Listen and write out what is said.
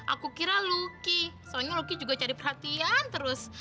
aku kira lucky soalnya lucky juga cari perhatian terus